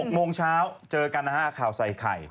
๖โมงเช้าเจอกันนะฮะข่าวใส่ไข่